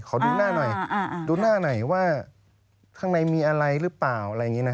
ขอดูหน้าหน่อยดูหน้าหน่อยว่าข้างในมีอะไรหรือเปล่าอะไรอย่างนี้นะ